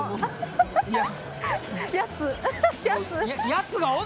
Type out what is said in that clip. やつ。